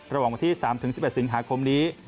ระหว่างวันที่๓๑๑สิงหาคมนี้